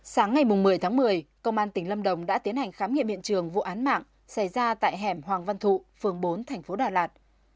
sáng ngày một mươi tháng một mươi công an tỉnh lâm đồng đã tiến hành khám nghiệm hiện trường vụ án mạng xảy ra tại hẻm hoàng văn thụ phường bốn thành phố đà lạt